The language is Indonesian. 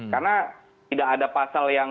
karena tidak ada pasal yang